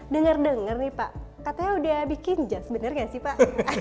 dengar dengar nih pak katanya udah bikin jazz bener gak sih pak